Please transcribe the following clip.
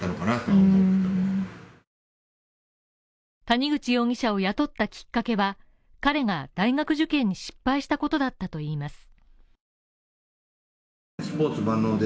谷口容疑者を雇ったきっかけは、彼が大学受験に失敗したことだったといいます。